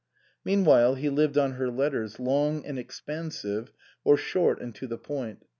Meanwhile he lived on her letters, long and ex pansive, or short and to the point.